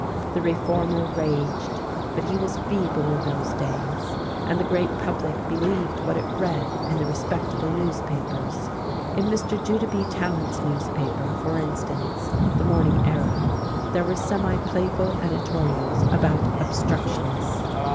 The reformer raged, but he was feeble in those days, and the great public believed what it read in the respectable newspapers. In Mr. Judah B. Tallant's newspaper, for instance, the Morning Era, there were semi playful editorials about "obstructionists."